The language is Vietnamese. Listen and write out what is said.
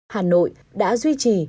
hà nội đã duy trì